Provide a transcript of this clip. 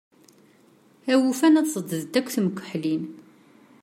A win yufan ad ṣedddent akk temkeḥlin.